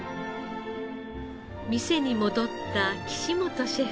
店に戻った岸本シェフ。